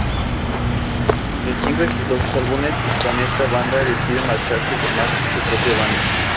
Tras cinco exitosos álbumes con esta banda, decide marcharse y formar su propia banda.